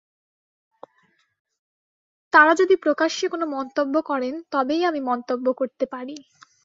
তাঁরা যদি প্রকাশ্যে কোনো মন্তব্য করেন, তবেই আমি মন্তব্য করতে পারি।